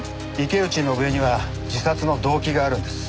池内伸枝には自殺の動機があるんです。